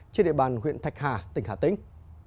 trên địa bàn huyện thạch hà tỉnh hà tĩnh